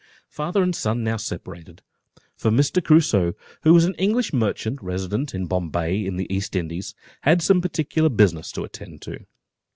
The father and son now separated, for Mr. Crusoe, who was an English merchant resident at Bombay, in the East Indies, had some particular business to attend to.